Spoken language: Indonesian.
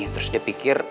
terus dia pikir